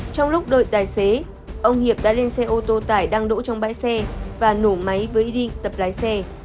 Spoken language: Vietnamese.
trong lúc đợi tài xế ông hiệp đã lên xe ô tô tải đang đỗ trong bãi xe và nổ máy với y tập lái xe